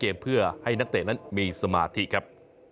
เกมเพื่อให้นักเตะนั้นมีสมาธิครับ